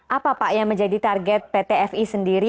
apa pak yang menjadi target pt freeport indonesia sendiri